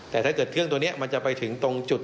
แต่ถ้าเกิดเครื่องตัวนี้มันจะไปถึงตรงจุด